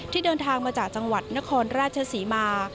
เดินทางมาจากจังหวัดนครราชศรีมา